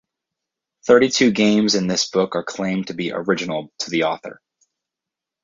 Thirty two games in this book are claimed to be original to the author.